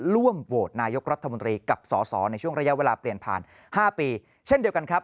ร่วมโหวตนายกรัฐมนตรีกับสอสอในช่วงระยะเวลาเปลี่ยนผ่าน๕ปีเช่นเดียวกันครับ